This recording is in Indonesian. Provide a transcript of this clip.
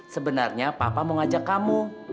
sebenarnya papa mau ngajak kamu